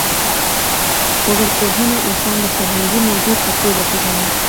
وګړپوهنه انسان د فرهنګي موجود په توګه پېژني.